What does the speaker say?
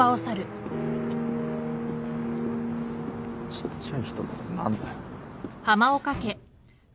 ちっちゃい人って何だよ。